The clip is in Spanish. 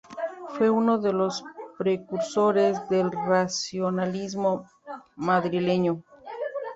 Fue uno de los precursores del racionalismo madrileño.